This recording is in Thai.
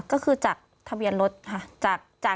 พี่เรื่องมันยังไงอะไรยังไง